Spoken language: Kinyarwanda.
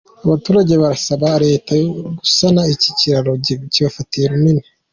Abaturage barasaba Leta gusana iki kiraro kibafatiye runini.